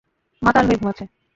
মাতাল হয়ে ঘুমাচ্ছে।